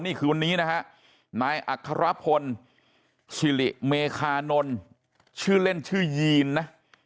นี่คือวันนี้นะฮะนายอัครพลสิริเมคานนท์ชื่อเล่นชื่อยีนนะ